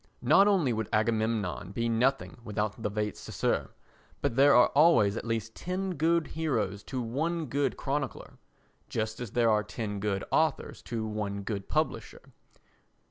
Not only would Agamemnon be nothing without the vates sacer but there are always at least ten good heroes to one good chronicler, just as there are ten good authors to one good publisher.